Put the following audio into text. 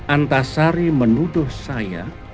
antasari menuduh saya